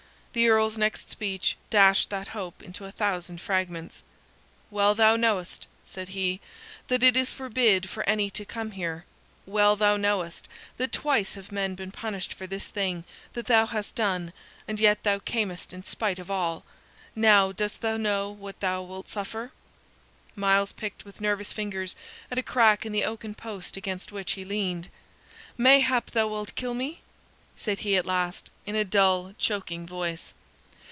The Earl's next speech dashed that hope into a thousand fragments. "Well thou knowest," said he, "that it is forbid for any to come here. Well thou knowest that twice have men been punished for this thing that thou hast done, and yet thou camest in spite of all. Now dost thou know what thou wilt suffer?" Myles picked with nervous fingers at a crack in the oaken post against which he leaned. "Mayhap thou wilt kill me," said he at last, in a dull, choking voice.